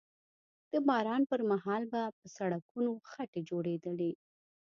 د باران پر مهال به په سړکونو خټې جوړېدلې